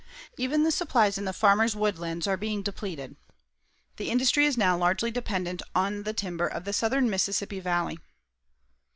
Even the supplies in the farmers' woodlands are being depleted. The industry is now largely dependent on the timber of the southern Mississippi Valley.